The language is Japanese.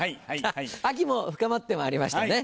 秋も深まってまいりましたね。